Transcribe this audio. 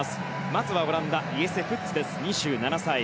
まずはオランダイエセ・プッツ、２７歳。